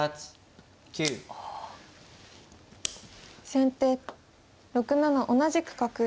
先手６七同じく角。